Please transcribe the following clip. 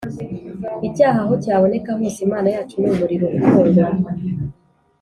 ’ Icyaha aho cyaboneka hose, ‘‘Imana yacu ni umuriro ukongora.